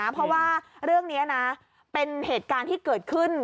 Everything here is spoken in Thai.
เพราะว่าเรื่องนี้นะเป็นเหตุการณ์ที่เกิดขึ้น